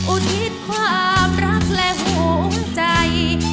อุทิศความรักและห่วงใจ